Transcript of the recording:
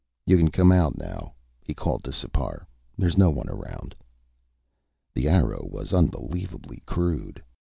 "You can come out now," he called to Sipar. "There's no one around." The arrow was unbelievably crude.